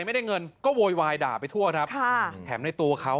ไม่ได้เงินก็โวยวายด่าไปทั่วครับค่ะแถมในตัวเขา